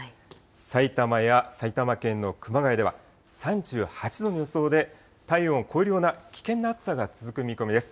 さいたまや埼玉県の熊谷では３８度の予想で、体温を超えるような危険な暑さが続く見込みです。